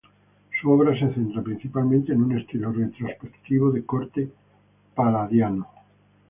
Su obra se centra principalmente en un estilo retrospectivo de corte palladiano.